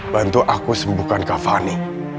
bantu aku sembuhkan kak fani